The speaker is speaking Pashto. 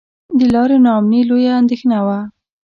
د لارې نا امني لویه اندېښنه وه.